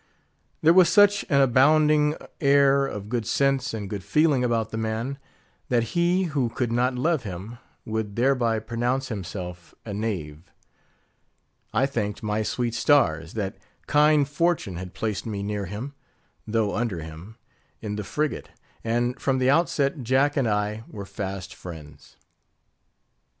There was such an abounding air of good sense and good feeling about the man, that he who could not love him, would thereby pronounce himself a knave. I thanked my sweet stars, that kind fortune had placed me near him, though under him, in the frigate; and from the outset Jack and I were fast friends.